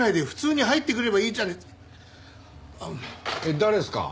誰ですか？